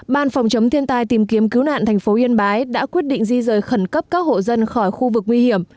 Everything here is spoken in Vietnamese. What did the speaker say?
ban phòng chống thiên tai tìm kiếm cứu nạn thành phố yên bái đã quyết định di rời khẩn cấp các hộ dân khỏi khu vực nguy hiểm